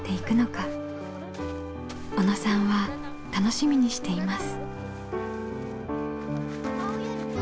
小野さんは楽しみにしています。